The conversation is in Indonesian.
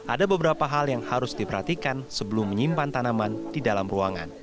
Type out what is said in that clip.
ada beberapa hal yang harus diperhatikan sebelum menyimpan tanaman di dalam ruangan